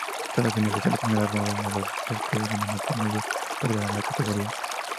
Tras finalizar la Primera Rueda, los dos clubes de menor promedio perderán la categoría.